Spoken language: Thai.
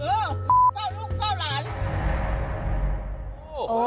เออมาเฝ้าลูกเฝ้าหลาน